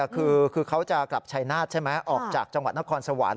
คือเขาจะกลับชัยนาธิ์ใช่ไหมออกจากจังหวัดนครสวรรค์